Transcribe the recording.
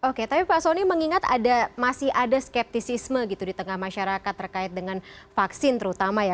oke tapi pak soni mengingat masih ada skeptisisme gitu di tengah masyarakat terkait dengan vaksin terutama ya